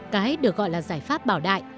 cái được gọi là giải pháp bảo đại